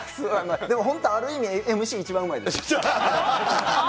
でも本当、ある意味、ＭＣ一番うまいです。